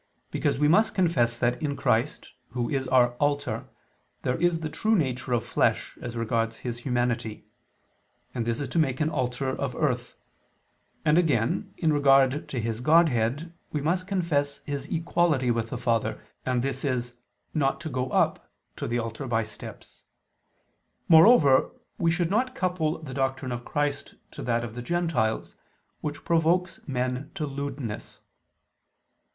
Because we must confess that in Christ, Who is our altar, there is the true nature of flesh, as regards His humanity and this is to make an altar of earth; and again, in regard to His Godhead, we must confess His equality with the Father and this is "not to go up" to the altar by steps. Moreover we should not couple the doctrine of Christ to that of the Gentiles, which provokes men to lewdness.